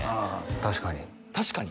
確かに「確かに」？